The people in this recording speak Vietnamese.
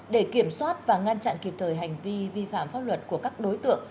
để kiểm soát và ngăn chặn kịp thời hành vi vi phạm pháp luật của các đối tượng